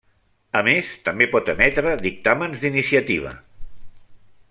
A més també pot emetre dictàmens d'iniciativa.